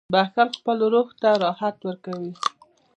• بخښل خپل روح ته راحت ورکوي.